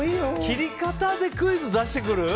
切り方でクイズ出してくる？